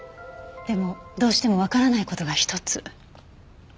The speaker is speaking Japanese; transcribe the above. でもどうしてもわからない事が一つ。